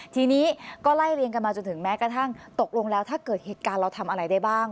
ทีนี้ก็ไล่เรียงกันมาจนถึงแม้กระทั่งตกลงแล้วถ้าเกิดเหตุการณ์เราทำอะไรได้บ้าง